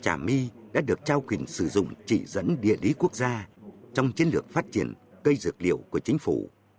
trà my đã được trao quyền sử dụng chỉ dẫn địa lý quốc gia trong chiến lược phát triển cây dược liệu của chính phủ